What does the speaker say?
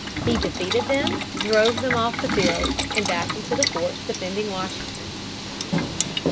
He defeated them, drove them off the field and back into the forts defending Washington (August, 1862).